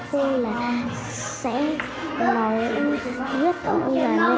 thôi là sẽ nói với ông già noel